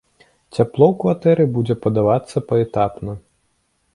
Цяпло ў кватэры будзе падавацца паэтапна.